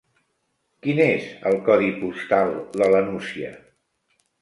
Quin és el codi postal de la Nucia?